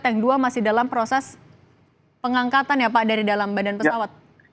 tank dua masih dalam proses pengangkatan ya pak dari dalam badan pesawat